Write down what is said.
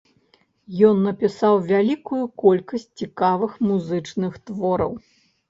Ён напісаў вялікую колькасць цікавых музычных твораў.